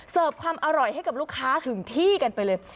ความอร่อยให้กับลูกค้าถึงที่กันไปเลย